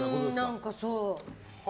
何か、そう。